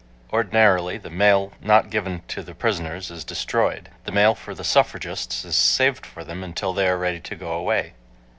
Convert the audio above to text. Ordinarily the mail not given the prisoners is destroyed. The mail for the suffragists is saved for them until they are ready to go away.